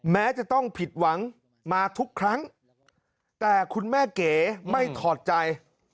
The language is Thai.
แม้จะต้องผิดหวังมาทุกครั้งแต่คุณแม่เก๋ไม่ถอดใจ